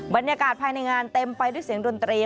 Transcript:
บรรยากาศภายในงานเต็มไปด้วยเสียงดนตรี